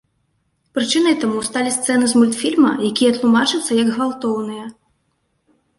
Прычынай таму сталі сцэны з мультфільма, якія тлумачацца як гвалтоўныя.